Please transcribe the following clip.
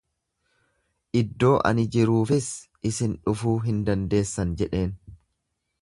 Iddoo ani jiruufis isin dhufuu hin dandeessan jedheen.